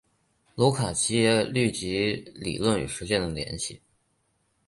卢卡奇也虑及理论与实践的联系。